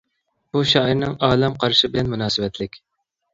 بۇ شائىرنىڭ ئالەم قارىشى بىلەن مۇناسىۋەتلىك.